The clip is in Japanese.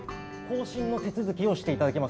更新の手続きをして頂きます。